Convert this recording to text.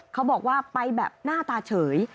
เขาบอกว่าไปแบบหน้าตาเฉย